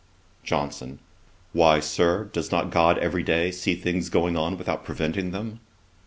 JOHNSON. 'Why, Sir, does not GOD every day see things going on without preventing them?'